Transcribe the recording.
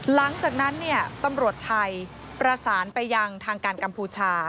หลังจากนั้นตำรวจไทยประสานไปยังทางการกัมพูชา